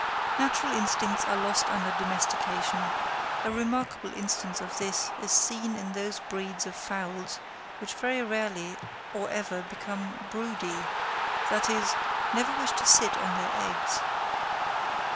Natural instincts are lost under domestication: a remarkable instance of this is seen in those breeds of fowls which very rarely or never become "broody," that is, never wish to sit on their eggs.